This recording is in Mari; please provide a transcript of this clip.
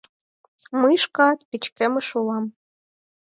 — Мый шкат пычкемыш улам.